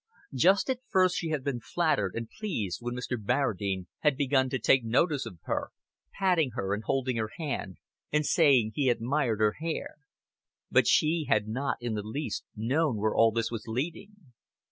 Just at first she had been flattered and pleased when Mr. Barradine had begun to take notice of her patting her, and holding her hand, and saying he admired her hair; but she had not in the least known where all this was leading.